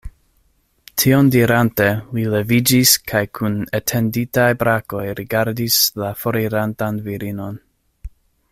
Tion dirante, li leviĝis kaj kun etenditaj brakoj rigardis la forirantan virinon.